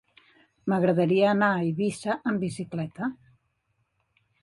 M'agradaria anar a Eivissa amb bicicleta.